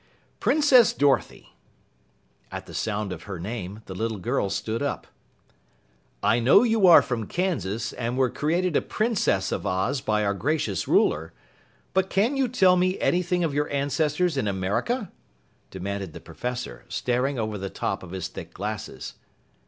"Princess Dorothy!" At the sound of her name, the little girl stood up. "I know you are from Kansas and were created a Princess of Oz by our gracious Ruler, but can you tell me anything of your ancestors in America?" demanded the Professor, staring over the top of his thick glasses.